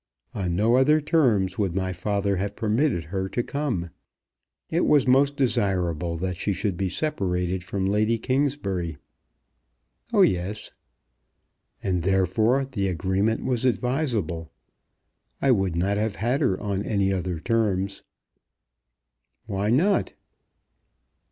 On no other terms would my father have permitted her to come. It was most desirable that she should be separated from Lady Kingsbury." "Oh, yes." "And therefore the agreement was advisable. I would not have had her on any other terms." "Why not?"